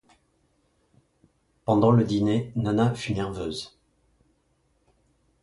Pendant le dîner, Nana fut nerveuse.